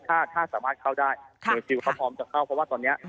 ถ้าถ้าสามารถเข้าได้หน่วยซิลเขาพร้อมจะเข้าเพราะว่าตอนนี้